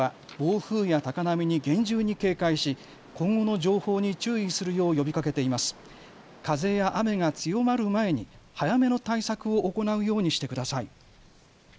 風や雨が強まる前に早めの対策を行うようにしてください。